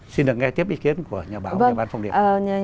xin được nghe tiếp ý kiến của nhà báo nhà bán phong điện